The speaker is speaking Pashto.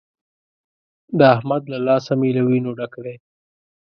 د احمد له لاسه مې له وينو ډک دی.